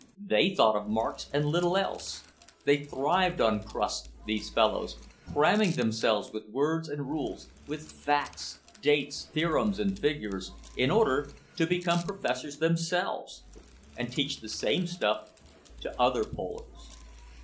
They thought of marks and little else. They thrived on crust, these fellows, cramming themselves with words and rules, with facts, dates, theorems and figures, in order to become professors themselves and teach the same stuff to other "polers."